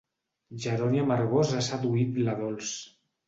Jeroni Amargós ha seduït la Dols.